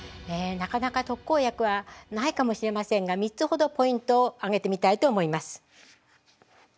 なかなか特効薬はないかもしれませんが３つほどポイントを挙げてみたいと思います。